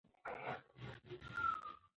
ماشوم په ژړا سره له خونې بهر ووت.